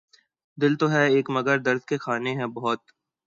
دل تو ہے ایک مگر درد کے خانے ہیں بہت